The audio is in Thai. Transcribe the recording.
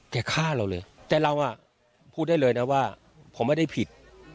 ฆ่าเราเลยแต่เราพูดได้เลยนะว่าผมไม่ได้ผิด